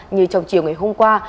như trong chiều ngày hôm qua